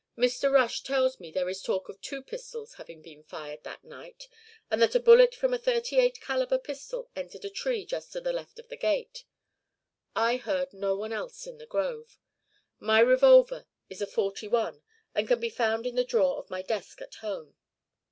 Mr. Rush tells me there is talk of two pistols having been fired that night, and that a bullet from a thirty eight calibre pistol entered a tree just to the left of the gate. I heard no one else in the grove. My revolver was a forty one and can be found in the drawer of my desk at home.